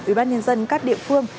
ubnd các địa phương